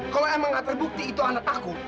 kalau emang nggak terbukti itu anak aku